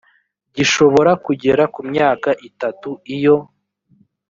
gishobora kugera ku myaka itatu iyo